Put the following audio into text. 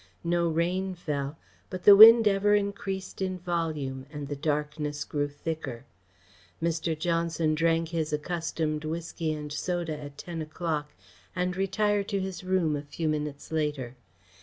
No rain fell but the wind ever increased in volume and the darkness grew thicker. Mr. Johnson drank his accustomed whisky and soda at ten o'clock and retired to his room a few minutes later.